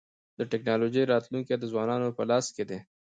د ټکنالوژۍ راتلونکی د ځوانانو په لاس کي دی.